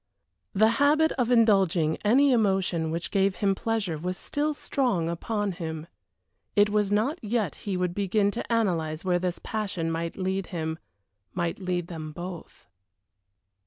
The habit of indulging any emotion which gave him pleasure was still strong upon him; it was not yet he would begin to analyze where this passion might lead him might lead them both.